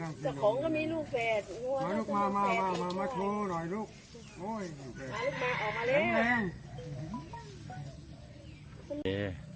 แต่ของก็มีลูกแฟดมามามามามาโทรหน่อยลูกโอ้ย